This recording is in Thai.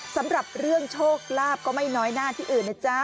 สำหรับเรื่องโชคลาภก็ไม่น้อยหน้าที่อื่นนะจ๊ะ